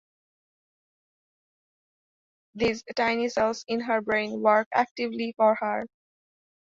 These tiny cells in her brain work actively for her.